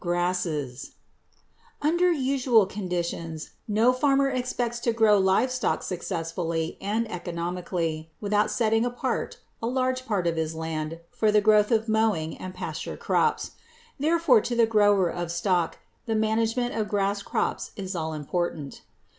GRASSES Under usual conditions no farmer expects to grow live stock successfully and economically without setting apart a large part of his land for the growth of mowing and pasture crops. Therefore to the grower of stock the management of grass crops is all important.